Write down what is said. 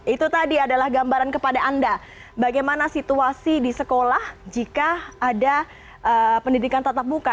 itu tadi adalah gambaran kepada anda bagaimana situasi di sekolah jika ada pendidikan tatap muka